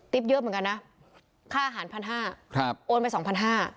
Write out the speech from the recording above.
เยอะเหมือนกันนะค่าอาหารพันห้าครับโอนไปสองพันห้า